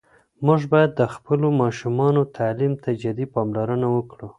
موږ باید د خپلو ماشومانو تعلیم ته جدي پاملرنه وکړو.